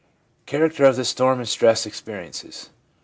Character of the Storm and Stress Experiences.